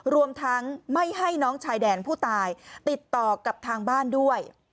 รวมทั้งไม่ให้น้องชายแดนผู้ตายติดต่อกับทางบ้านด้วย